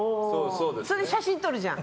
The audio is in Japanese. それで写真撮るじゃん。